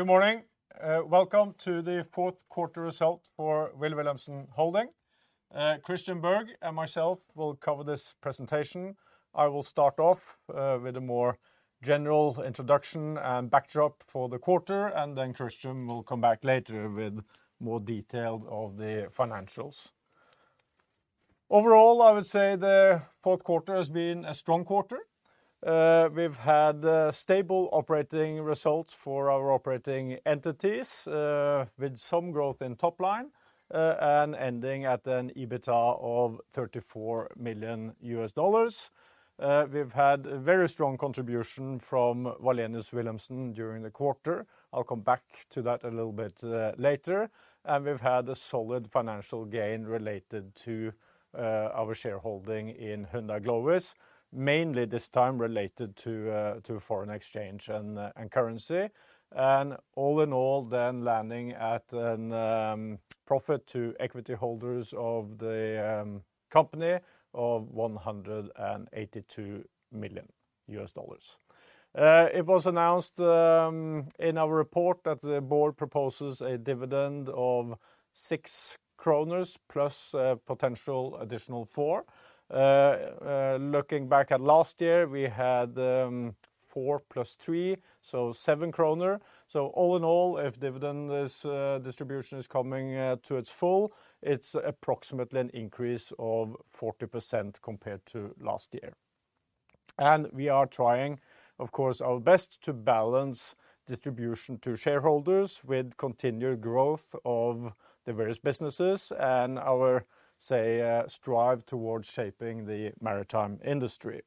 Good morning. Welcome to the fourth quarter result for Wilh. Wilhelmsen Holding. Christian Berg and myself will cover this presentation. I will start off with a more general introduction and backdrop for the quarter, and then Christian will come back later with more detail of the financials. Overall, I would say the fourth quarter has been a strong quarter. We've had stable operating results for our operating entities, with some growth in top line, and ending at an EBITDA of $34 million. We've had very strong contribution from Wallenius Wilhelmsen during the quarter. I'll come back to that a little bit later. We've had a solid financial gain related to our shareholding in Hyundai Glovis, mainly this time related to foreign exchange and currency. All in all, then landing at an profit to equity holders of the company of $182 million. It was announced in our report that the board proposes a dividend of 6 kroner plus potential additional 4 NOK. Looking back at last year, we had four plus three, so seven NOK. All in all, if dividend is distribution is coming to its full, it's approximately an increase of 40% compared to last year. We are trying, of course, our best to balance distribution to shareholders with continued growth of the various businesses and our, say, strive towards shaping the maritime industry.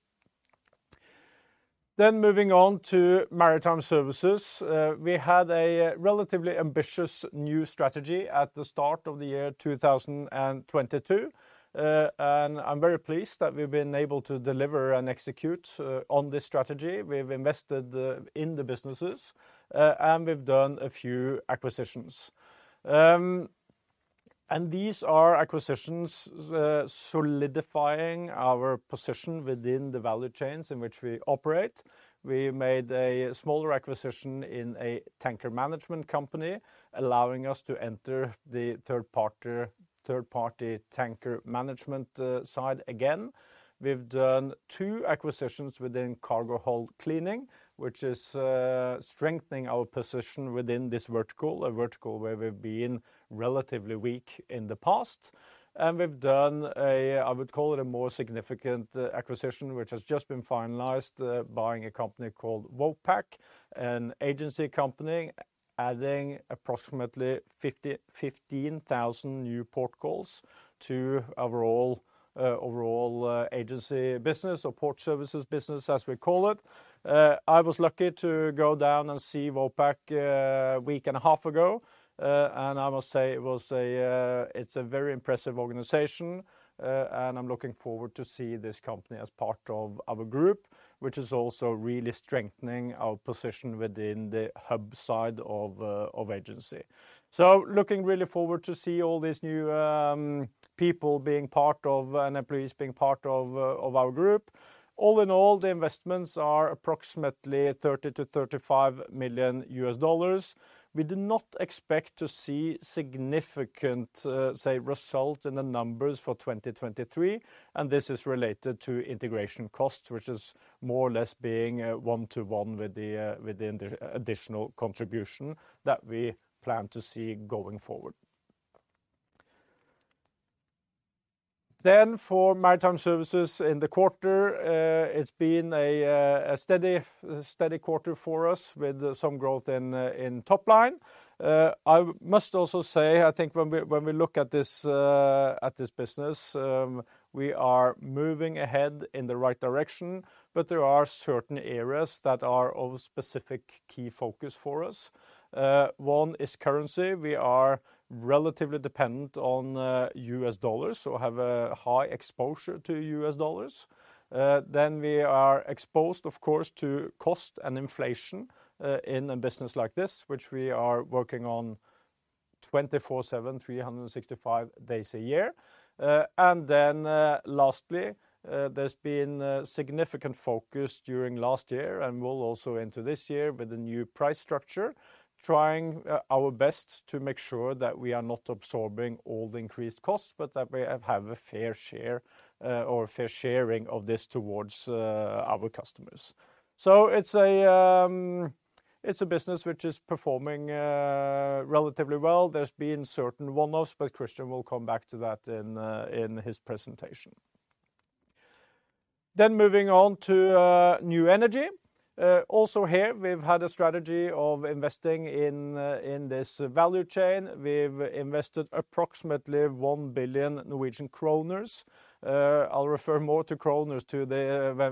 Moving on to Maritime Services. We had a relatively ambitious new strategy at the start of the year 2022. I'm very pleased that we've been able to deliver and execute on this strategy. We've invested in the businesses, and we've done a few acquisitions. These are acquisitions solidifying our position within the value chains in which we operate. We made a smaller acquisition in a tanker management company, allowing us to enter the third-party tanker management side again. We've done two acquisitions within cargo hold cleaning, which is strengthening our position within this vertical. A vertical where we've been relatively weak in the past. We've done, I would call it a more significant acquisition, which has just been finalized, buying a company called Vopak Agencies, an agency company adding approximately 15,000 new port calls to overall agency business or port services business, as we call it. I was lucky to go down and see Vopak Agencies a week and a half ago. I must say it's a very impressive organization, and I'm looking forward to see this company as part of our group, which is also really strengthening our position within the hub side of agency. Looking really forward to see all these new people being part of and employees being part of our group. All in all, the investments are approximately $30 million-$35 million. We do not expect to see significant, say, result in the numbers for 2023. This is related to integration costs, which is more or less being one to one with the additional contribution that we plan to see going forward. For Maritime Services in the quarter, it's been a steady quarter for us with some growth in top line. I must also say, I think when we look at this business, we are moving ahead in the right direction, but there are certain areas that are of specific key focus for us. One is currency. We are relatively dependent on U.S. dollars or have a high exposure to U.S. dollars. We are exposed, of course, to cost and inflation in a business like this, which we are working on 24/7, 365 days a year. Lastly, there's been a significant focus during last year, we'll also enter this year with a new price structure, trying our best to make sure that we are not absorbing all the increased costs, but that we have a fair share or fair sharing of this towards our customers. It's a business which is performing relatively well. There's been certain one-offs, Christian will come back to that in his presentation. Moving on to New Energy. Also here, we've had a strategy of investing in this value chain. We've invested approximately 1 billion Norwegian kroner. I'll refer more to kroners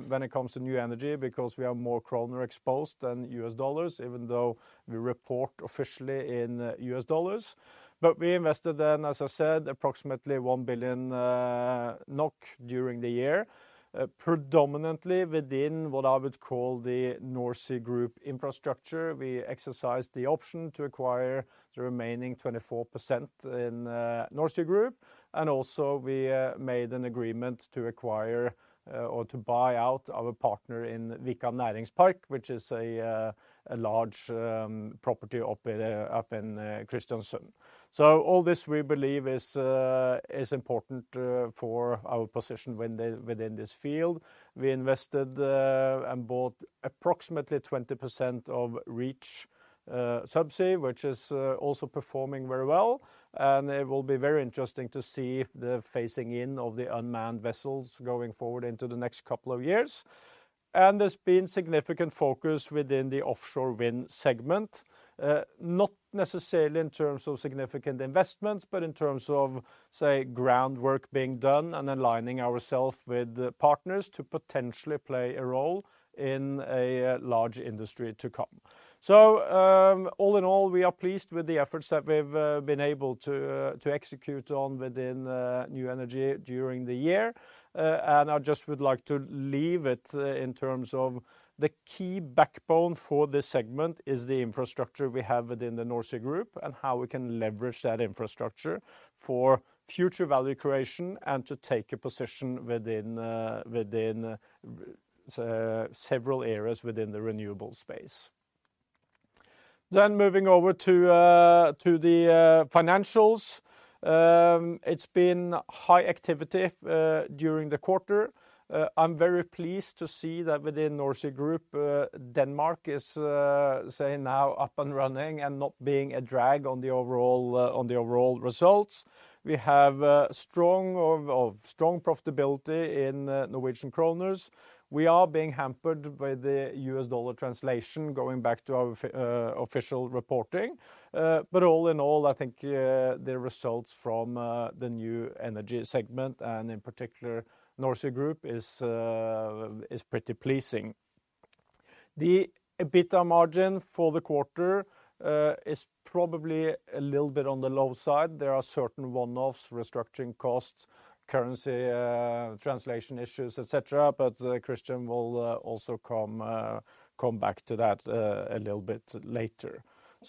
when it comes to New Energy because we are more kroner exposed than US dollars, even though we report officially in US dollars. We invested then, as I said, approximately 1 billion NOK during the year, predominantly within what I would call the NorSea Group infrastructure. We exercised the option to acquire the remaining 24% in NorSea Group and also we made an agreement to acquire or to buy out our partner in Vikan Næringspark, which is a large property up in Kristiansund. All this we believe is important for our position within this field. We invested and bought approximately 20% of Reach Subsea, which is also performing very well. It will be very interesting to see the phasing in of the unmanned vessels going forward into the next couple of years. There's been significant focus within the offshore wind segment, not necessarily in terms of significant investments, but in terms of, say, groundwork being done and aligning ourselves with partners to potentially play a role in a large industry to come. All in all, we are pleased with the efforts that we've been able to execute on within New Energy during the year. I just would like to leave it in terms of the key backbone for this segment is the infrastructure we have within the NorSea Group and how we can leverage that infrastructure for future value creation and to take a position within several areas within the renewable space. Moving over to the financials. It's been high activity during the quarter. And to see that within NorSea Group, Denmark is, say now up and running and not being a drag on the overall results. We have strong profitability in Norwegian kroner. We are being hampered by the US dollar translation going back to our official reporting. All in all, I think, the results from the New Energy segment and in particular NorSea Group is pretty pleasing. The EBITDA margin for the quarter is probably a little bit on the low side. There are certain one-offs, restructuring costs, currency translation issues, et cetera, but Christian will also come back to that a little bit later.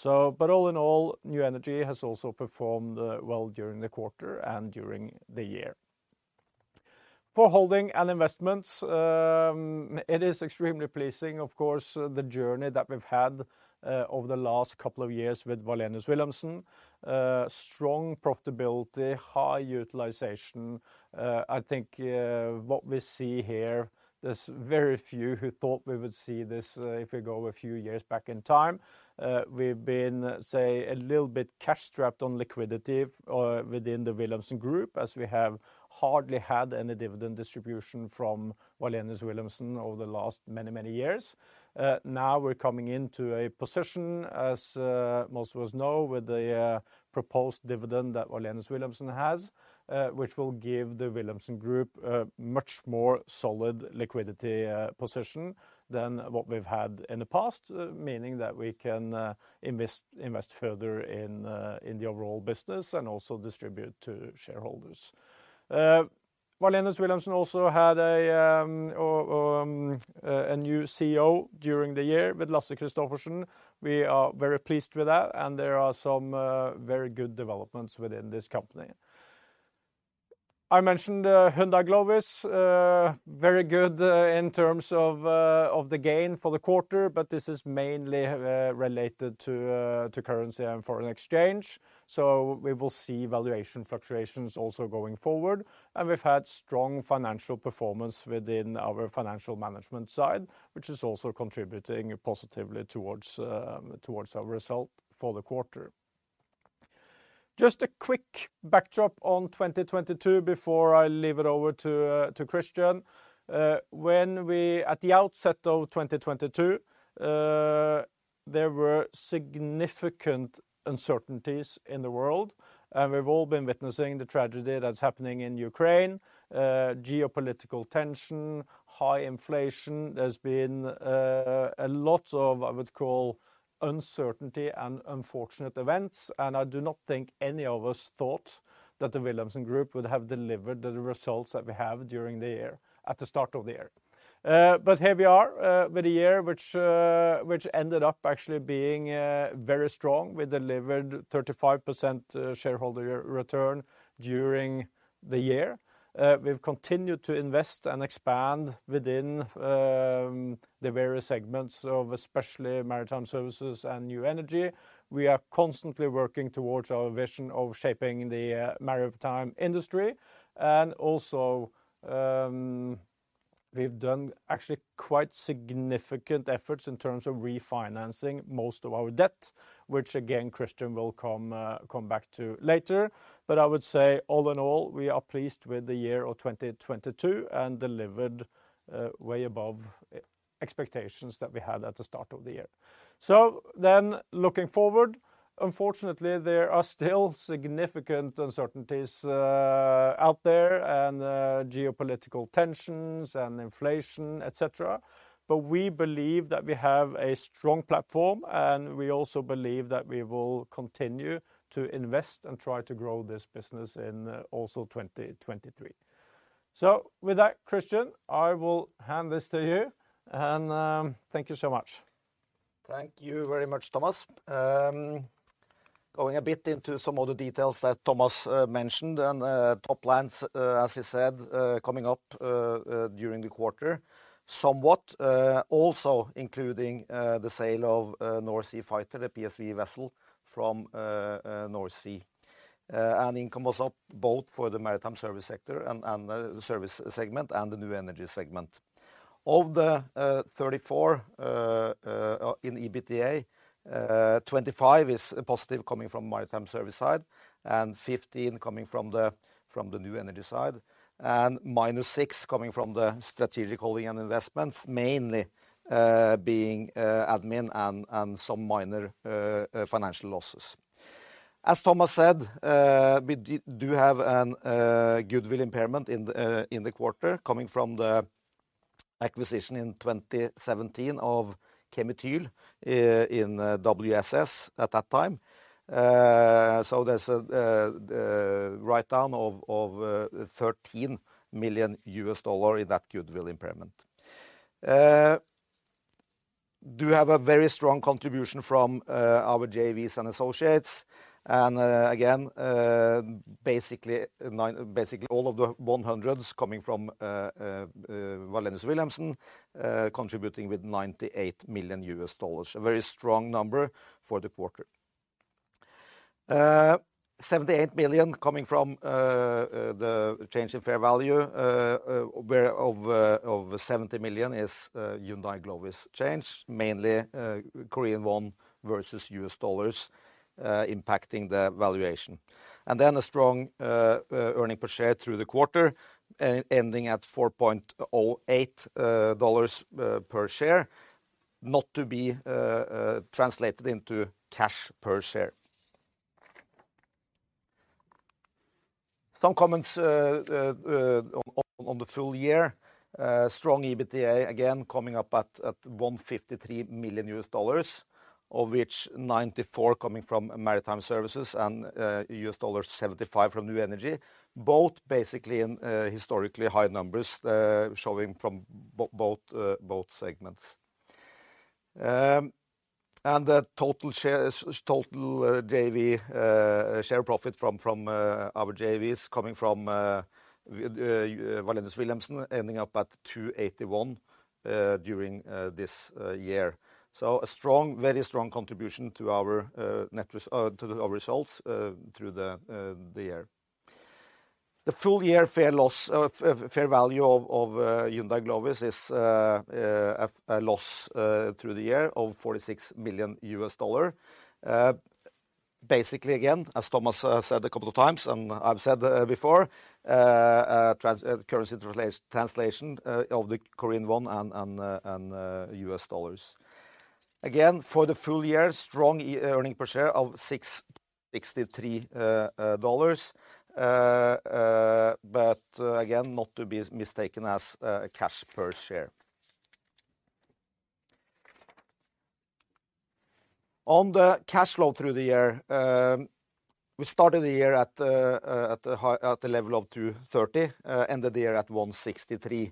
All in all, New Energy has also performed well during the quarter and during the year. For holding and investments, it is extremely pleasing, of course, the journey that we've had over the last couple of years with Wallenius Wilhelmsen. Strong profitability, high utilization. I think what we see here, there's very few who thought we would see this if we go a few years back in time. We've been, say, a little bit cash strapped on liquidity within the Wilhelmsen group, as we have hardly had any dividend distribution from Wallenius Wilhelmsen over the last many, many years. Now we're coming into a position, as most of us know, with the proposed dividend that Wallenius Wilhelmsen has, which will give the Wilhelmsen group a much more solid liquidity position than what we've had in the past, meaning that we can invest further in the overall business and also distribute to shareholders. Wallenius Wilhelmsen also had a new CEO during the year with Lasse Kristoffersen. We are very pleased with that and there are some very good developments within this company. I mentioned Hyundai Glovis, very good in terms of the gain for the quarter, but this is mainly related to currency and foreign exchange. We will see valuation fluctuations also going forward. We've had strong financial performance within our financial management side, which is also contributing positively towards our result for the quarter. Just a quick backdrop on 2022 before I leave it over to Christian. When we at the outset of 2022, there were significant uncertainties in the world, and we've all been witnessing the tragedy that's happening in Ukraine, geopolitical tension, high inflation. There's been a lot of, I would call, uncertainty and unfortunate events. I do not think any of us thought that the Wilhelmsen group would have delivered the results that we have during the year at the start of the year. Here we are, with a year which ended up actually being very strong. We delivered 35% shareholder return during the year. We've continued to invest and expand within the various segments of especially Maritime Services and New Energy. We are constantly working towards our vision of shaping the maritime industry. We've done actually quite significant efforts in terms of refinancing most of our debt, which again, Christian will come back to later. I would say all in all, we are pleased with the year of 2022 and delivered way above expectations that we had at the start of the year. Looking forward, unfortunately, there are still significant uncertainties out there and geopolitical tensions and inflation, et cetera. We believe that we have a strong platform, and we also believe that we will continue to invest and try to grow this business in also 2023. With that, Christian, I will hand this to you and, thank you so much. Thank you very much, Thomas. Going a bit into some of the details that Thomas mentioned and the top lines as he said coming up during the quarter, somewhat also including the sale of North Sea Fighter, a PSV vessel from NorSea. Income was up both for the Maritime Services sector and the service segment and the New Energy segment. Of the $34 in EBITDA, $25 is positive coming from Maritime Services side and $15 coming from the New Energy side, and -$6 coming from the strategic holding and investments, mainly being admin and some minor financial losses. As Thomas said, we do have an goodwill impairment in the quarter coming from the acquisition in 2017 of Chemtec in WSS at that time. There's a write down of $13 million in that goodwill impairment. Do have a very strong contribution from our JVs and associates. Again, basically all of the one hundreds coming from Wallenius Wilhelmsen, contributing with $98 million, a very strong number for the quarter. $78 million coming from the change in fair value, whereof $70 million is Hyundai Glovis change, mainly Korean won versus U.S. dollars, impacting the valuation. Then a strong earning per share through the quarter, ending at $4.08 per share, not to be translated into cash per share. Some comments on the full year. Strong EBITDA, again, coming up at $153 million, of which $94 coming from Maritime Services and $75 from New Energy, both basically in historically high numbers, showing from both segments. The total total JV share profit from from our JVs coming from Wallenius Wilhelmsen ending up at $281 during this year. A strong, very strong contribution to our results through the year. The full year fair loss of fair value of Hyundai Glovis is a loss through the year of $46 million. Basically again, as Thomas said a couple of times and I've said before, currency translation of the Korean won and US dollars. Again, for the full year, strong earning per share of $6.63. Again, not to be mistaken as cash per share. On the cash flow through the year, we started the year at the level of $230, ended the year at $163.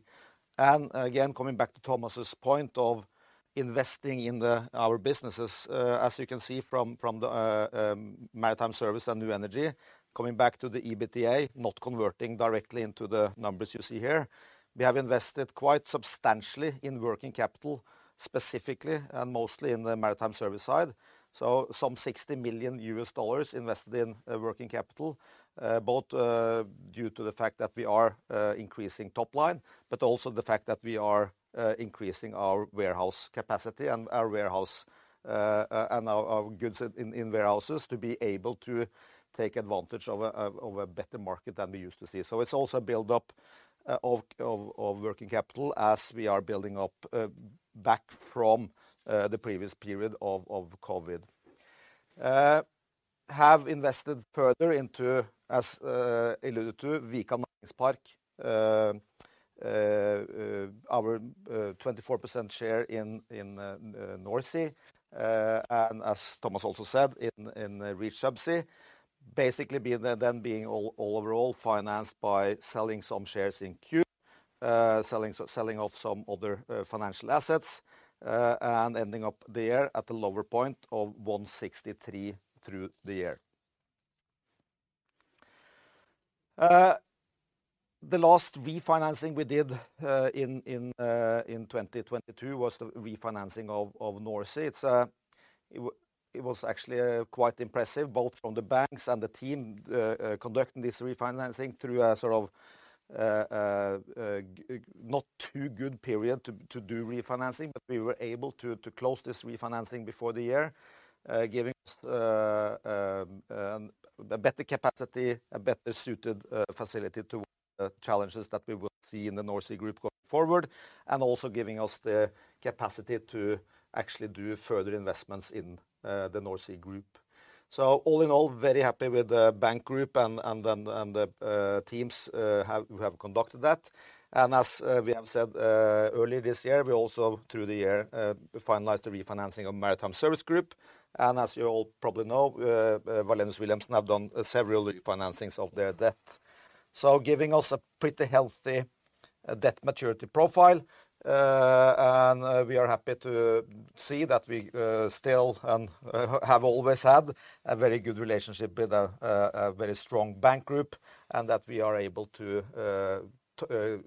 Again, coming back to Thomas's point of investing in our businesses, as you can see from the Maritime Services and New Energy, coming back to the EBITDA, not converting directly into the numbers you see here. We have invested quite substantially in working capital, specifically and mostly in the Maritime Services side. Some $60 million invested in working capital, both due to the fact that we are increasing top line, but also the fact that we are increasing our warehouse capacity and our warehouse and our goods in warehouses to be able to take advantage of a better market than we used to see. It's also a build-up of working capital as we are building up back from the previous period of COVID. Have invested further into, as alluded to, Viken Næringspark, our 24% share in NorSea, and as Thomas also said in the Reach Subsea, basically then being overall financed by selling some shares in Cube, selling off some other financial assets, and ending up there at a lower point of $163 through the year. The last refinancing we did in 2022 was the refinancing of NorSea. It's actually quite impressive both from the banks and the team conducting this refinancing through a sort of not too good period to do refinancing, but we were able to close this refinancing before the year, giving us a better capacity, a better-suited facility to challenges that we will see in the NorSea Group going forward, and also giving us the capacity to actually do further investments in the NorSea Group. All in all, very happy with the bank group and the teams who have conducted that. As we have said earlier this year, we also through the year finalized the refinancing of Maritime Services Group. As you all probably know, Wallenius Wilhelmsen have done several refinancings of their debt, giving us a pretty healthy debt maturity profile. We are happy to see that we still and have always had a very good relationship with a very strong bank group and that we are able to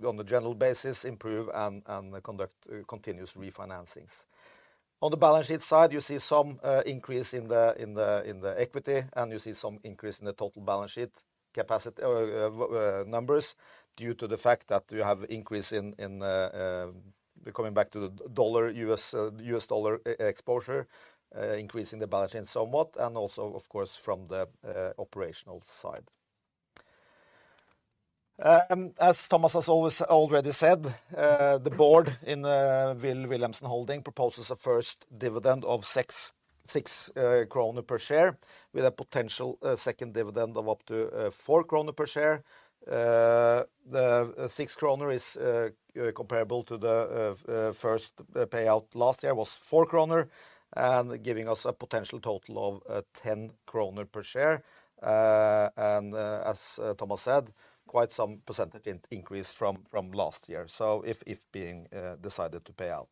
on a general basis improve and conduct continuous refinancings. On the balance sheet side, you see some increase in the equity, and you see some increase in the total balance sheet numbers due to the fact that you have increase in coming back to the U.S. dollar exposure, increasing the balance sheet somewhat and also of course from the operational side. As Thomas has always, already said, the board in Wilh. Wilhelmsen Holding proposes a first dividend of NOK six per share with a potential, second dividend of up to, NOK four per share. The NOK six is, comparable to the, first payout last year was NOK four and giving us a potential total of, 10 kroner per share. As Thomas said, quite some percentage in increase from last year, so if being, decided to pay out.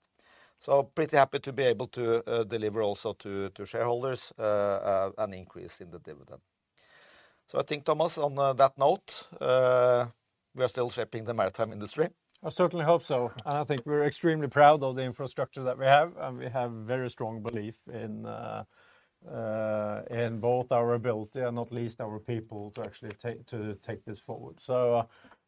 Pretty happy to be able to, deliver also to shareholders, an increase in the dividend. I think, Thomas, on, that note, we are still shaping the maritime industry. I certainly hope so. I think we're extremely proud of the infrastructure that we have, and we have very strong belief in both our ability and not least our people to actually to take this forward.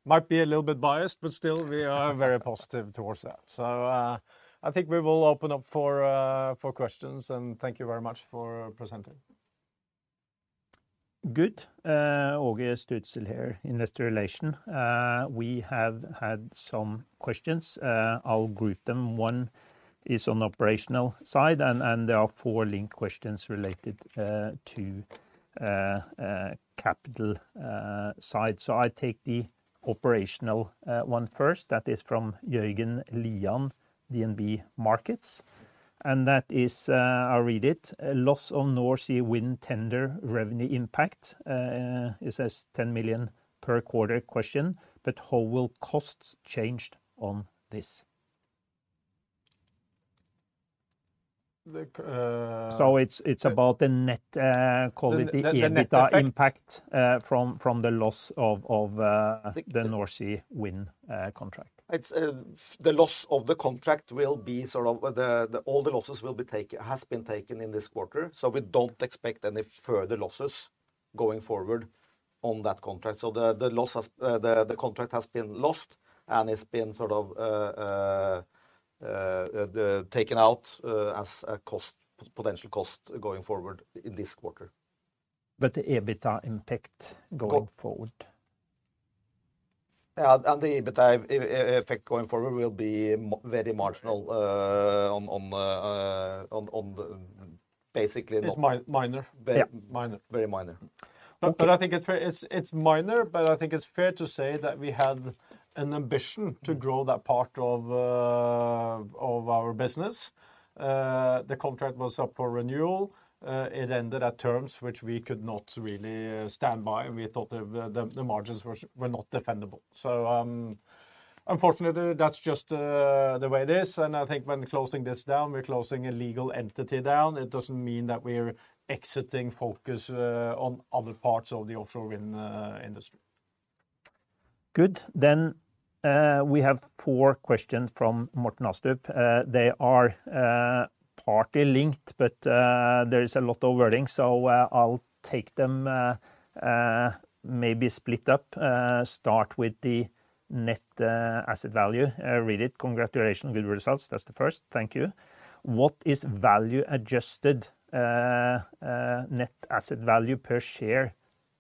Might be a little bit biased, but still we are very positive towards that. I think we will open up for questions, and thank you very much for presenting. Good. Åge Sturtzel here, investor relations. We have had some questions. I'll group them. One is on operational side, and there are four link questions related to capital side. I take the operational one first. That is from Jørgen Lian, DNB Markets. That is, I read it, "Loss on NorSea Wind tender revenue impact," it says, "$10 million per quarter question, but how will costs changed on this? The... It's about the net, call it. The net effect. EBITDA impact, from the loss of. The- The NorSea Wind contract. It's the loss of the contract will be sort of, all the losses has been taken in this quarter. We don't expect any further losses going forward on that contract. The contract has been lost, and it's been sort of taken out, as a cost, potential cost going forward in this quarter. The EBITDA impact going forward. Yeah. The EBITDA effect going forward will be very marginal, on basically not- It's minor. Yeah. Minor. Very minor. I think it's fair. It's minor, but I think it's fair to say that we had an ambition to grow that part of our business. The contract was up for renewal. It ended at terms which we could not really stand by, and we thought the margins were not defendable. Unfortunately, that's just the way it is, and I think when closing this down, we're closing a legal entity down. It doesn't mean that we're exiting focus on other parts of the offshore wind industry. Good. We have four questions from Morten Astrup. They are partly linked, but there is a lot of wording. I'll take them maybe split up. Start with the net asset value. I read it. "Congratulations on good results." That's the first. Thank you. "What is value adjusted net asset value per share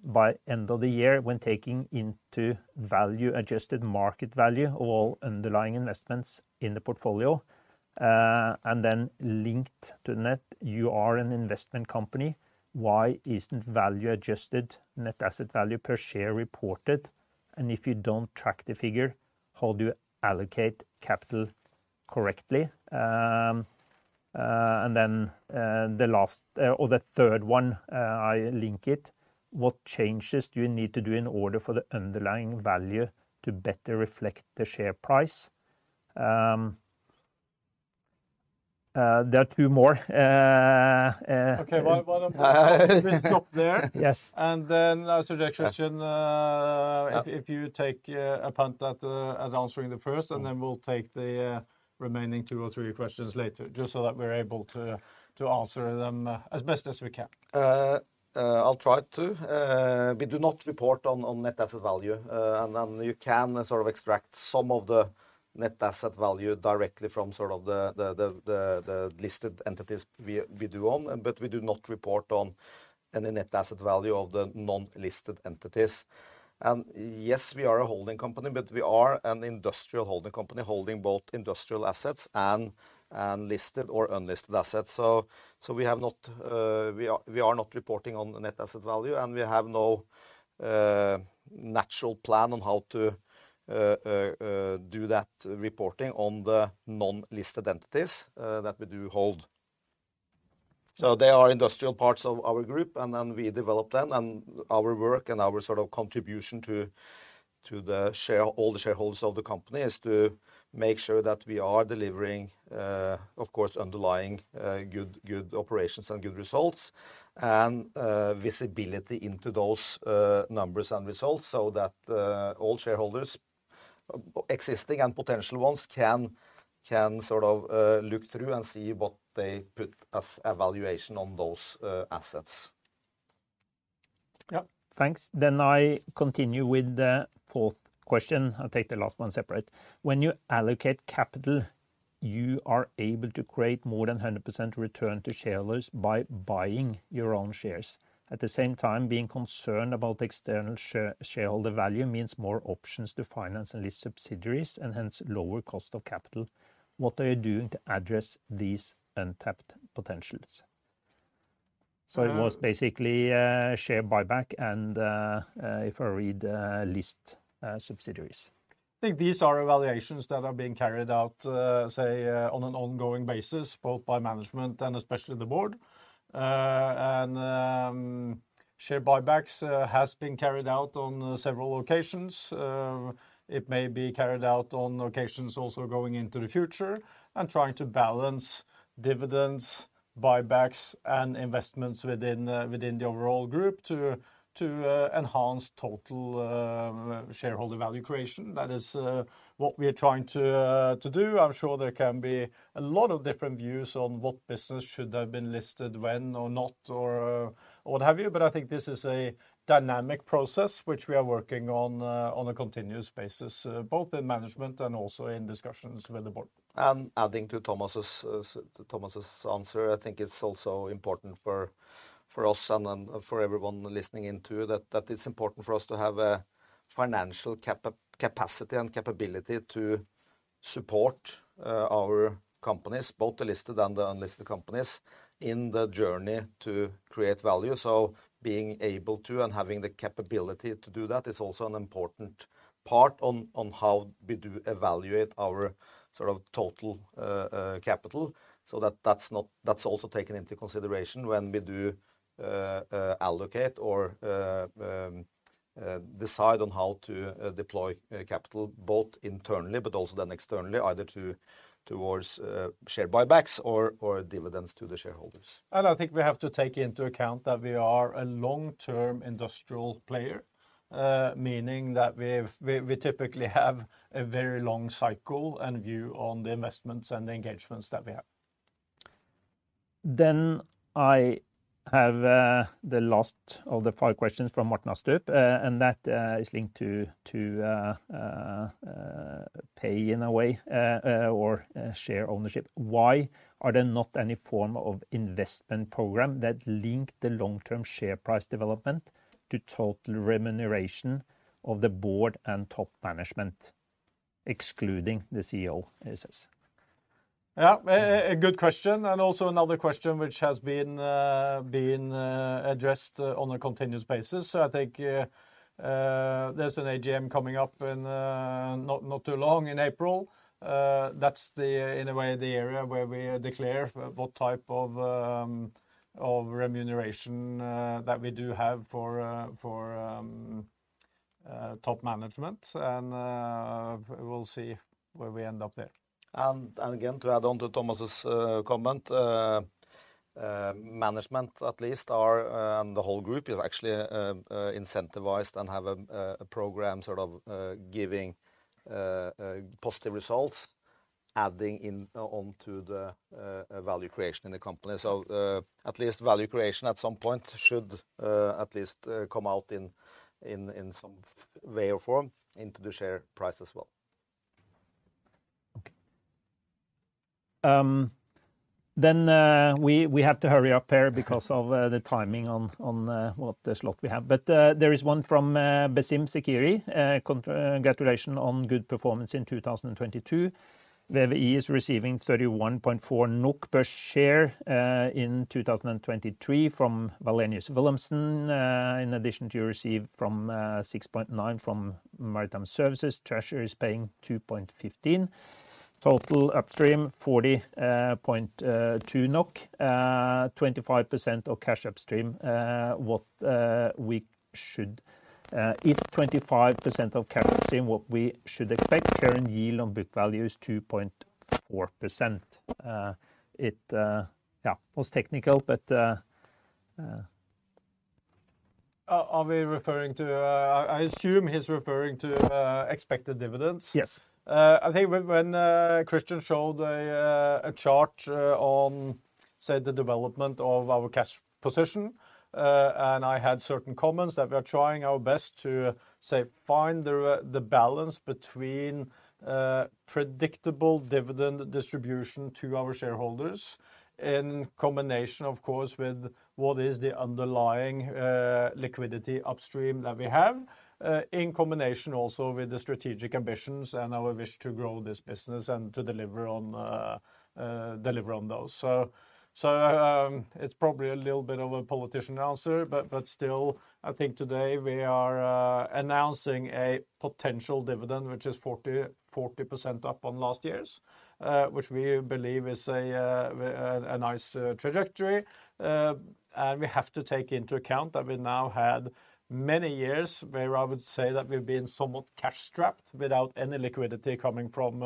by end of the year when taking into value adjusted market value of all underlying investments in the portfolio?" Linked to net, "You are an investment company. Why isn't value adjusted net asset value per share reported? If you don't track the figure, how do you allocate capital correctly?" And then, the last, or the third one, I link it, "What changes do you need to do in order for the underlying value to better reflect the share price?" There are two more. Okay. Why don't we stop there? Yes. as suggestion. Yeah If you take a punt at answering the first, and then we'll take the remaining two or three questions later. Just so that we're able to answer them as best as we can. I'll try to. We do not report on net asset value. You can sort of extract some of the net asset value directly from sort of the listed entities we do own, but we do not report on any net asset value of the non-listed entities. Yes, we are a holding company, but we are an industrial holding company, holding both industrial assets and listed or unlisted assets. We are not reporting on the net asset value, and we have no natural plan on how to do that reporting on the non-listed entities that we do hold. They are industrial parts of our group, and then we develop them, and our work and our sort of contribution to the shareholders of the company is to make sure that we are delivering, of course, underlying good operations and good results and visibility into those numbers and results so that all shareholders, existing and potential ones can sort of look through and see what they put as evaluation on those assets. Yeah. Thanks. I continue with the fourth question. I'll take the last one separate. When you allocate capital, you are able to create more than 100% return to shareholders by buying your own shares. At the same time, being concerned about external shareholder value means more options to finance and list subsidiaries, and hence lower cost of capital. What are you doing to address these untapped potentials? Um- It was basically a share buyback and, if I read, list, subsidiaries. I think these are evaluations that are being carried out on an ongoing basis, both by management and especially the board. Share buybacks has been carried out on several occasions. It may be carried out on occasions also going into the future and trying to balance dividends, buybacks, and investments within the overall group to enhance total shareholder value creation. That is what we are trying to do. I'm sure there can be a lot of different views on what business should have been listed when or not, or what have you, but I think this is a dynamic process which we are working on a continuous basis, both in management and also in discussions with the board. Adding to Thomas's answer, I think it's also important for us and then for everyone listening in too that it's important for us to have a financial capacity and capability to support our companies, both the listed and the unlisted companies, in the journey to create value. Being able to and having the capability to do that is also an important part on how we do evaluate our sort of total capital. That's also taken into consideration when we do allocate or decide on how to deploy capital, both internally, but also then externally, either towards share buybacks or dividends to the shareholders. I think we have to take into account that we are a long-term industrial player, meaning that we typically have a very long cycle and view on the investments and the engagements that we have. I have the last of the five questions from Morten Astrup, and that is linked to pay in a way or share ownership. Why are there not any form of investment program that link the long-term share price development to total remuneration of the board and top management, excluding the CEO, he says. Yeah. A good question, and also another question which has been addressed on a continuous basis. I think there's an AGM coming up in not too long, in April. That's the, in a way, the area where we declare what type of remuneration that we do have for top management. We'll see where we end up there. Again, to add on to Thomas', comment, management at least are, and the whole group is actually, incentivized and have a program sort of, giving positive results adding in onto the value creation in the company. At least value creation at some point should, at least, come out in some way or form into the share price as well. We have to hurry up here because of the timing on what slot we have. There is one from Basim Sekeri. Congratulations on good performance in 2022. WE is receiving 31.4 NOK per share in 2023 from Wallenius Wilhelmsen, in addition to receive from 6.9 NOK from Maritime Services. Treasury is paying 2.15 NOK. Total upstream, 40.2 NOK. 25% of cash upstream. Is 25% of cash upstream what we should expect? Current yield on book value is 2.4%. It, yeah, was technical, but. Are we referring to... I assume he's referring to expected dividends. Yes. I think when Christian showed a chart on the development of our cash position, and I had certain comments that we are trying our best to find the balance between predictable dividend distribution to our shareholders in combination, of course, with what is the underlying liquidity upstream that we have. In combination also with the strategic ambitions and our wish to grow this business and to deliver on those. So, it's probably a little bit of a politician answer, but still, I think today we are announcing a potential dividend, which is 40% up on last year's, which we believe is a nice trajectory. We have to take into account that we now had many years where I would say that we've been somewhat cash strapped without any liquidity coming from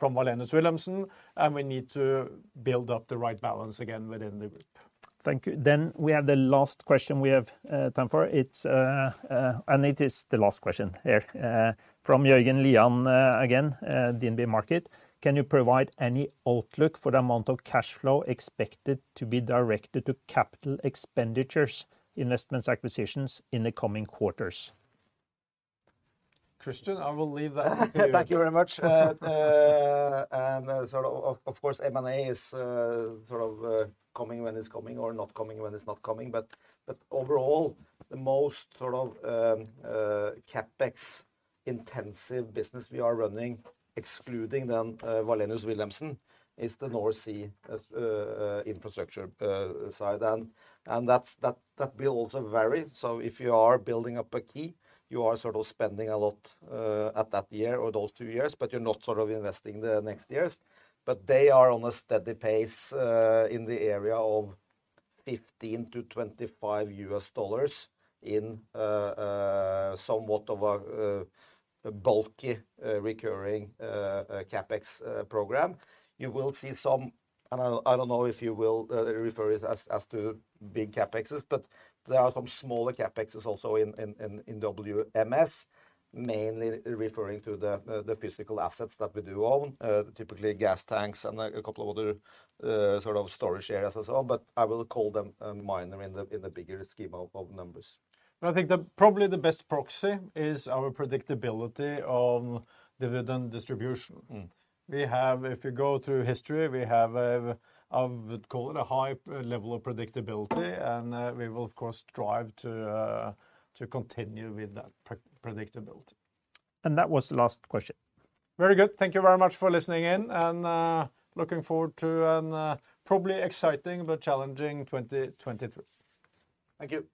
Wallenius Wilhelmsen, and we need to build up the right balance again within the group. Thank you. We have the last question we have time for. It is the last question here from Jørgen Lian again DNB Markets. "Can you provide any outlook for the amount of cash flow expected to be directed to capital expenditures, investments, acquisitions in the coming quarters? Christian, I will leave that to you. Thank you very much. Sort of course, M&A is sort of coming when it's coming or not coming when it's not coming. Overall, the most sort of CapEx-intensive business we are running, excluding then Wallenius Wilhelmsen, is the North Sea as infrastructure side. That will also vary. If you are building up a key, you are sort of spending a lot at that year or those two years, but you're not sort of investing the next years. They are on a steady pace in the area of $15-$25 in somewhat of a bulky recurring CapEx program. You will see some... I don't know if you will refer it as to big CapExes, but there are some smaller CapExes also in WMS, mainly referring to the physical assets that we do own, typically gas tanks and a couple of other sort of storage areas as well. I will call them minor in the bigger scheme of numbers. I think the probably the best proxy is our predictability of dividend distribution. Mm. We have, if you go through history, we have a call it a high level of predictability, and we will of course strive to continue with that predictability. That was the last question. Very good. Thank you very much for listening in and, looking forward to a probably exciting but challenging 2023. Thank you.